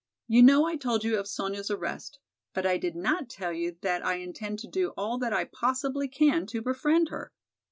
You know I told you of Sonya's arrest, but I did not tell you that I intend to do all that I possibly can to befriend her.